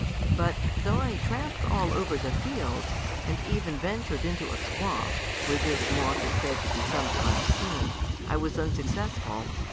"But though I tramped all over the fields, and even ventured into a swamp, where this moth is said to be sometimes seen, I was unsuccessful.